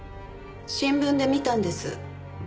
新聞で見たんです。